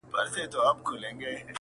موږ به کله تر منزل پوري رسیږو؛